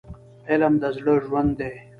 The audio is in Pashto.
علم د زړه ژوند دی.